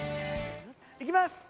いきます。